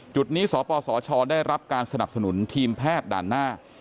จุดนี้สปสชได้รับการสนับสนุนทีมแพทย์ด่านหน้า